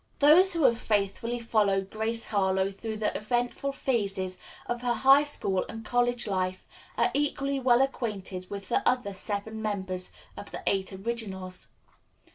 Those who have faithfully followed Grace Harlowe through the eventful phases of her high school and college life are equally well acquainted with the other seven members of the Eight Originals.